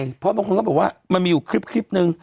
เพราะบางคนก็บอกว่ามันมีอยู่คลิปนึง